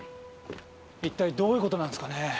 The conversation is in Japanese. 一体どういう事なんですかね。